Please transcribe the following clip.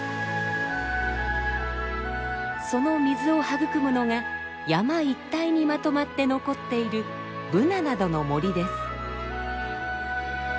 その水を育むのが山一帯にまとまって残っているブナなどの森です。